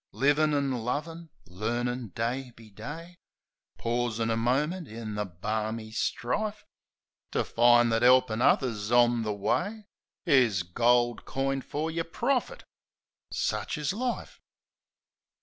Livin' an' lovin'; learnin' day be day; Pausin' a minute in the barmy strife To find that 'elpin' others on the way Is gold coined fer your profit — sich is life.